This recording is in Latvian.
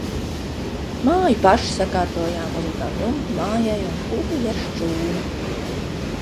Māju paši sakārtojām, uzlikām jumtu mājai un kūtij ar šķūni.